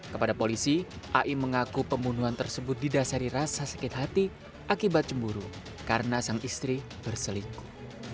kepada polisi ai mengaku pembunuhan tersebut didasari rasa sakit hati akibat cemburu karena sang istri berselingkuh